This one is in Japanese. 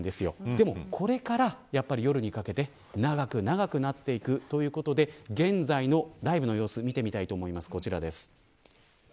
でもこれから夜にかけて長くなっていくということで現在のライブの様子を見てみたいと思います。